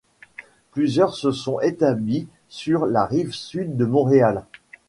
Plusieurs se sont établis sur la rive-sud de Montréal.